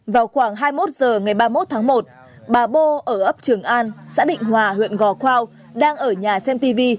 vào khoảng hai mươi một h ngày ba mươi một tháng một bà bô ở ấp trường an xã định hòa huyện gò quao đang ở nhà xem tv